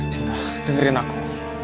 sinta dengerin aku